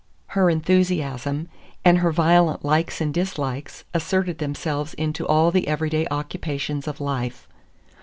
Her enthusiasm, and her violent likes and dislikes, asserted themselves in all the every day occupations of life.